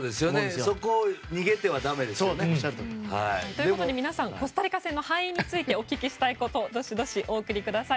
そこを逃げてはだめですよね。ということで皆さんコスタリカ戦の敗因についてお聞きしたいことどしどしお送りください。